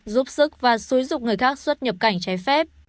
giúp sức và xúi dục người khác xuất nhập cảnh trái phép